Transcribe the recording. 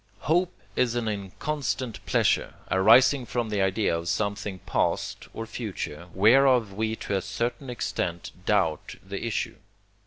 Hope is an inconstant pleasure, arising from the idea of something past or future, whereof we to a certain extent doubt the issue.